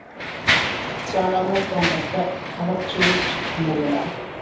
চার আনার কম একটা খারাপ চুরুট মেলে না।